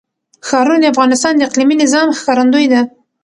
ښارونه د افغانستان د اقلیمي نظام ښکارندوی ده.